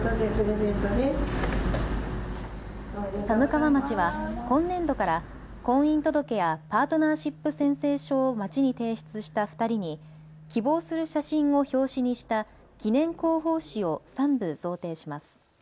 寒川町は今年度から婚姻届やパートナーシップ宣誓書を町に提出した２人に希望する写真を表紙にした記念広報誌を３部贈呈します。